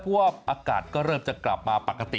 เพราะว่าอากาศก็เริ่มจะกลับมาปกติ